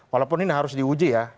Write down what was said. walaupun ini harus diuji ya